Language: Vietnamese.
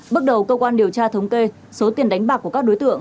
bước đầu cơ quan điều tra thống kê số tiền đánh bạc của các đối tượng